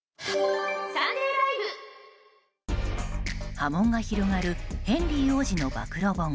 波紋が広がるヘンリー王子の暴露本。